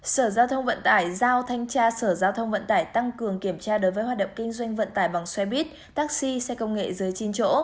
sở giao thông vận tải giao thanh tra sở giao thông vận tải tăng cường kiểm tra đối với hoạt động kinh doanh vận tải bằng xe buýt taxi xe công nghệ dưới chín chỗ